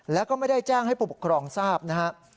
แล้วก็ไม่ได้แจ้งให้ผู้ปกครองทราบนะครับ